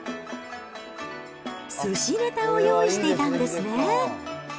すしネタを用意していたんですね。